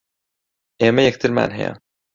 ئێمە یەکترمان ھەیە.